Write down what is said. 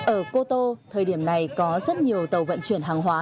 ở cô tô thời điểm này có rất nhiều tàu vận chuyển hàng hóa